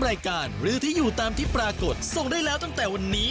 รายการหรือที่อยู่ตามที่ปรากฏส่งได้แล้วตั้งแต่วันนี้